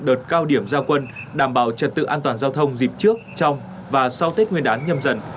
đợt cao điểm giao quân đảm bảo trật tự an toàn giao thông dịp trước trong và sau tết nguyên đán nhâm dần